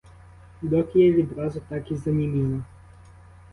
Докія відразу так і заніміла.